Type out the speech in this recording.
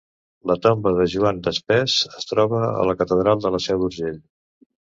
La tomba de Joan d'Espés es troba a la Catedral de la Seu d'Urgell.